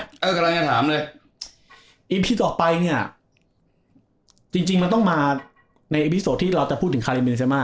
กำลังจะถามเลยอีพีต่อไปเนี่ยจริงจริงมันต้องมาในเอวิโซที่เราจะพูดถึงคาริเมเซมา